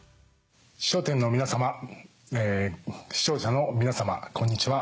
『笑点』の皆様視聴者の皆様こんにちは。